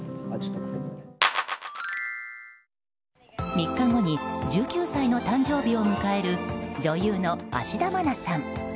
３日後に１９歳の誕生日を迎える女優の芦田愛菜さん。